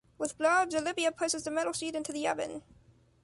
With gloves Olivia pushes the metal sheet into the oven.